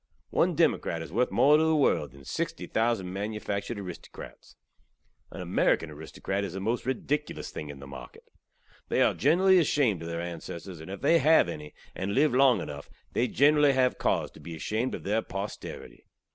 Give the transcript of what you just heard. One democrat iz worth more tew the world than 60 thousand manufaktured aristokrats. An Amerikan aristokrat iz the most ridikilus thing in market. They are generally ashamed ov their ansesstors; and, if they hav enny, and live long enuff, they generally hav cauze tew be ashamed ov their posterity.